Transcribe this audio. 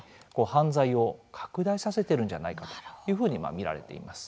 犯罪を拡大させてるんじゃないかというふうに見られています。